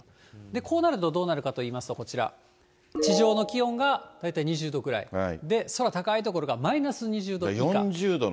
こうなるとどうなるかといいますと、こちら、地上の気温が大体２０度くらい、空高い所がマイナス２０度以下。